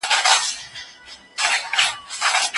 که غصه کوونکی سخته اړتيا ورته ولري.